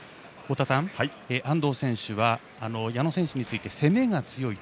安藤選手は、矢野選手について攻めが強い。